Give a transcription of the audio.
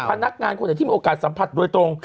พนักงานคนไหนที่มีโอกาสสัมผัสโดยตรง